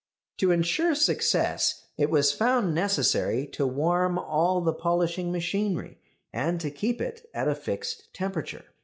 To insure success it was found necessary to warm all the polishing machinery, and to keep it at a fixed temperature.